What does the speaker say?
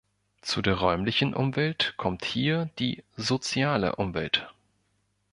Zu der räumlichen Umwelt kommt hier die soziale Umwelt.